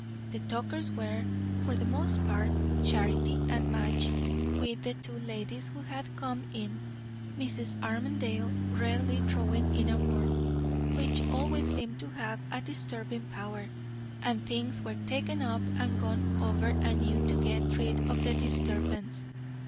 The talkers were, for the most part, Charity and Madge, with the two ladies who had come in; Mrs. Armadale rarely throwing in a word, which always seemed to have a disturbing power; and things were taken up and gone over anew to get rid of the disturbance.